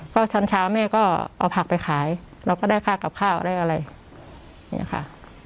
ก็ช้านเช้าเนี้ยก็เอาผักไปขายเราก็ได้ค่ากับข้าวได้อะไรเนี้ยค่ะ